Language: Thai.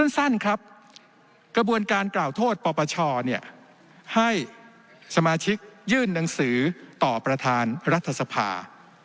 สั้นครับกระบวนการกล่าวโทษปปชให้สมาชิกยื่นหนังสือต่อประธานรัฐสภา